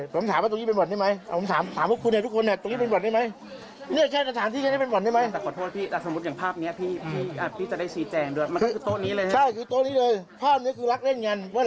เขายืนยันว่าจะต้องมาเรียนกับทุกคนในวงจร